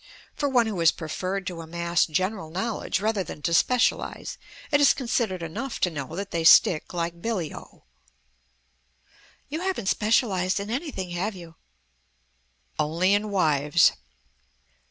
For one who has preferred to amass general knowledge rather than to specialize, it is considered enough to know that they stick like billy o." "You haven't specialized in anything, have you?" "Only in wives."